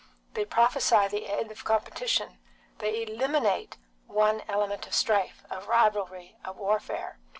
They prophesy the end of competition; they eliminate one element of strife, of rivalry, of warfare.